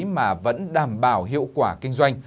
mà vẫn đảm bảo hiệu quả kinh doanh